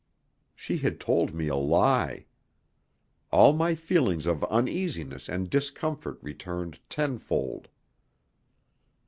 She had told me a lie. All my feelings of uneasiness and discomfort returned tenfold.